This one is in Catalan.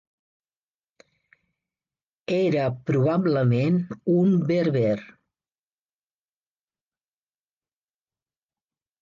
Era probablement un berber.